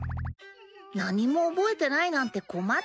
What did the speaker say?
何も覚えてないなんて困ったね。